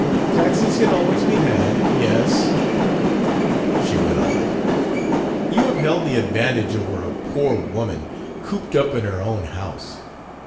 "Taxis can always be had. Yes," she went on, "you have held the advantage over a poor woman cooped up in her own house.